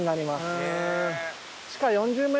へぇ。